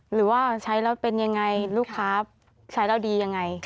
หรือว่าใช้แล้วเป็นยังไงลูกค้าใช้แล้วดียังไง